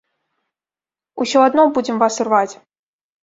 Усё адно будзем вас рваць!